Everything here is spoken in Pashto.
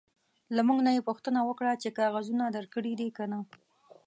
له موږ نه یې پوښتنه وکړه چې کاغذونه درکړي دي که نه.